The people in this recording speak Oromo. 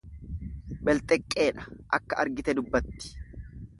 Belxeqqeedha, akka argite dubbatti.